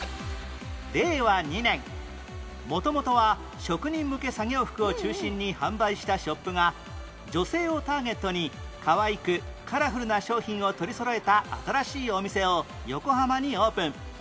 令和２年元々は職人向け作業服を中心に販売したショップが女性をターゲットにかわいくカラフルな商品を取りそろえた新しいお店を横浜にオープン